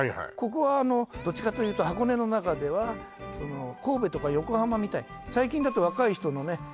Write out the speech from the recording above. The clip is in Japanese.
ここはあのどっちかというと箱根の中では神戸とか横浜みたい最近だと若い人のね